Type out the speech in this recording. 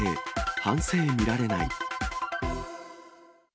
反省見られない。